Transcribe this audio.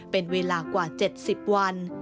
เป็นเวลากว่า๗๐วัน